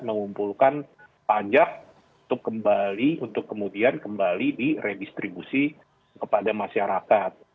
mengumpulkan pajak untuk kembali untuk kemudian kembali diredistribusi kepada masyarakat